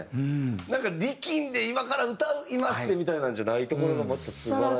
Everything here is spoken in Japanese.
なんか力んで今から歌いまっせみたいなのじゃないところがまた素晴らしいですね。